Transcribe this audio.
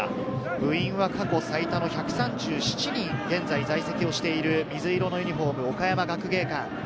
部員は過去最多の１３７人在籍をしている水色のユニホームを岡山学芸館。